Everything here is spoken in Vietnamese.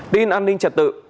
tin an ninh trật tự